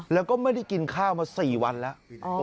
แล้วก็ไม่ได้กินข้าวมา๔วันแล้ว